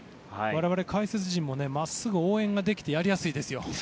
我々、解説陣も真っすぐ応援ができてやりやすいですよ。